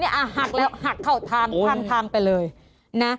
อ่ะหักแล้วหักเข้าทางทางไปเลยนะ